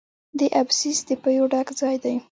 د ابسیس د پیو ډک ځای دی.